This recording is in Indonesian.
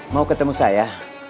mau ketemu saya